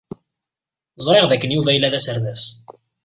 Ẓriɣ dakken Yuba yella d aserdas.